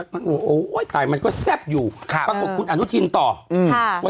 ด้วยน้ำมินเอ้ยเป็นไงบ้างค่ะพี่หมด